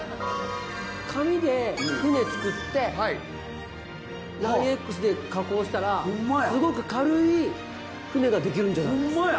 紙で船作ってＬＩＮＥ−Ｘで加工したらすごく軽い船ができるんじゃない？